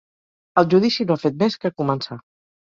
El judici no ha fet més que començar.